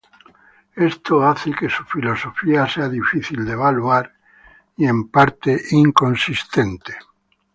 Esto hace que su filosofía sea difícil de evaluar y en parte inconsistente.